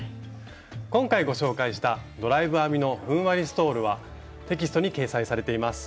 今回ご紹介したドライブ編みのふんわりストールはテキストに掲載されています。